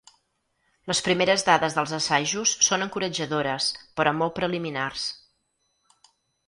Les primeres dades dels assajos són encoratjadores però molt preliminars.